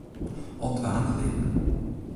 Al dwaande leart men.